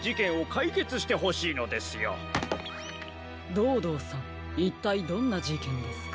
ドードーさんいったいどんなじけんですか？